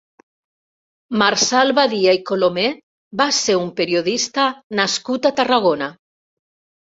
Marçal Badia i Colomer va ser un periodista nascut a Tarragona.